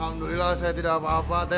alhamdulillah saya tidak apa apa